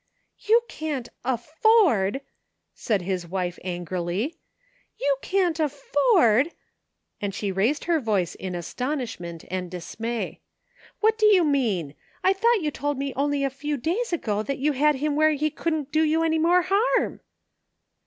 " You can't afford! '' said his wife angrily. " You can't afford !" and she raised her voice in astonishment and dismay. " What do you mean? I thought you told me only a few days ago that you had him where he couldn't do you any more harm?